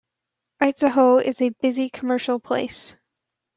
Itzehoe is a busy commercial place.